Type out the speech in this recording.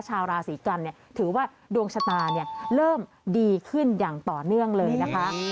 ชาวราศีกันถือว่าดวงชะตาเริ่มดีขึ้นอย่างต่อเนื่องเลยนะคะ